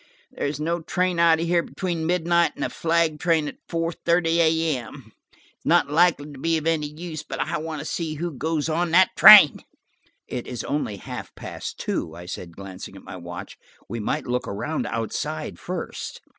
There's no train out of here between midnight and a flag train at four thirty A.M. It's not likely to be of any use, but I want to see who goes on that train." "It is only half past two," I said, glancing at my watch. "We might look around outside first."